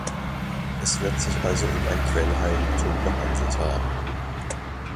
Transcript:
Es wird sich also um ein Quellheiligtum gehandelt haben.